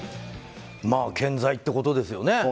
健在ってことですよね。